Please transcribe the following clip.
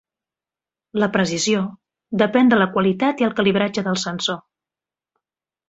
La precisió depèn de la qualitat i el calibratge del sensor.